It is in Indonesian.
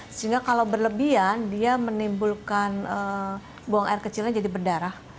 sehingga kalau berlebihan dia menimbulkan buang air kecilnya jadi berdarah